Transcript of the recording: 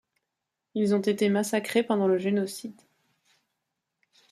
Ils ont été massacrés pendant le génocide.